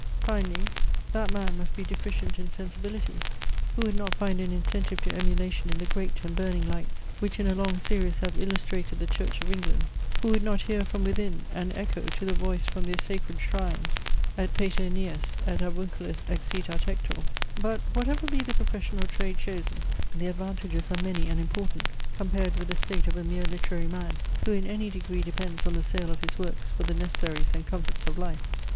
Finally, that man must be deficient in sensibility, who would not find an incentive to emulation in the great and burning lights, which in a long series have illustrated the church of England; who would not hear from within an echo to the voice from their sacred shrines, Et Pater Aeneas et avunculus excitat Hector. But, whatever be the profession or trade chosen, the advantages are many and important, compared with the state of a mere literary man, who in any degree depends on the sale of his works for the necessaries and comforts of life.